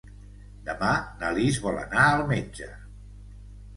Demà na Lis vol anar al metge.